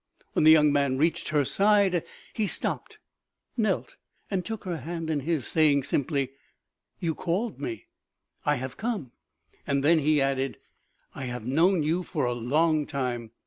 When the young man reached her side, he stopped, knelt, and took her hand in his, saying simply :" You called me. I have come." And then he added : u I have known you for a long time.